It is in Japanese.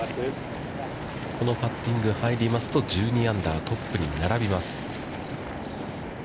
このパッティング、入りますと、１２アンダー、トップに並びます。